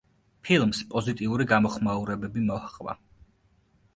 ფილმს პოზიტიური გამოხმაურებები მოჰყვა.